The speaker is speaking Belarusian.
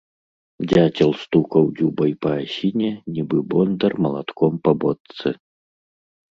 Дзяцел стукаў дзюбай па асіне, нібы бондар малатком па бочцы.